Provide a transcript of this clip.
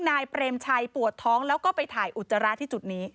นายเปรมชัยปวดท้องแล้วก็ไปถ่ายอุจจาระที่จุดนี้